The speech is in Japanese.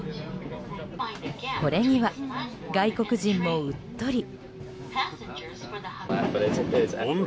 これには外国人もうっとり。